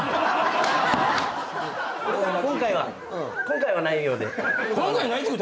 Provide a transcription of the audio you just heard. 今回は今回はないようで。